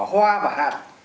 hoa và hạt